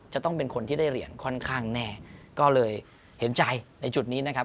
จะต้องเป็นคนที่ได้เหรียญค่อนข้างแน่ก็เลยเห็นใจในจุดนี้นะครับ